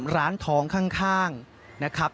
ร้านทองข้างนะครับ